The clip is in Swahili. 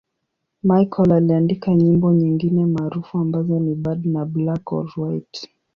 Michael aliandika nyimbo nyingine maarufu ambazo ni 'Bad' na 'Black or White'.